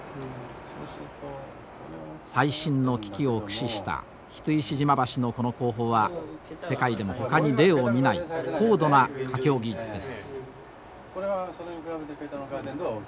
最新の機器を駆使した櫃石島橋のこの工法は世界でもほかに例を見ない高度な架橋技術です。